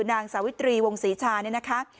นางสาวิตรีวงศรีชาเนี่ยนะคะ